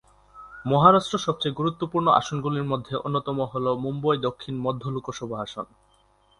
মহারাষ্ট্র সবচেয়ে গুরুত্বপূর্ণ আসনগুলির মধ্যে অন্যতম হল মুম্বই দক্ষিণ মধ্য লোকসভা আসন।